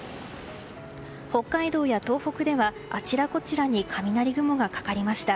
北海道や東北ではあちらこちらに雷雲がかかりました。